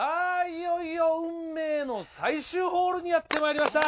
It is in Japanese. いよいよ運命の最終ホールにやってまいりました。